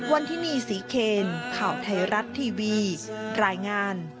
วันที่นี่ศรีเคนข่าวไทยรัฐทีวีรายงาน